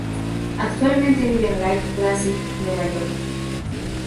Actualmente vive en Lake Placid, Nueva York.